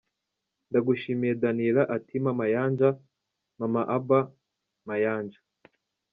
Ndagushimiye Daniella Atima Mayanja, Mama Abba, Mayanja.